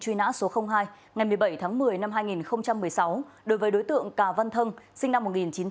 truy nã số hai ngày một mươi bảy tháng một mươi năm hai nghìn một mươi sáu đối với đối tượng cà văn thân sinh năm một nghìn chín trăm tám mươi